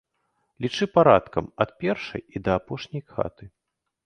Лічы парадкам, ад першай і да апошняй хаты.